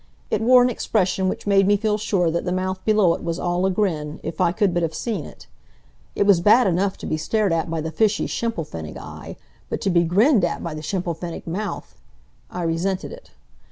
It wore an expression which made me feel sure that the mouth below it was all a grin, if I could but have seen it. It was bad enough to be stared at by the fishy Schimmelpfennig eye, but to be grinned at by the Schimmelpfennig mouth! I resented it.